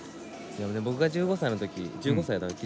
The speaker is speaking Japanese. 僕が１５歳の時１５歳だっけ？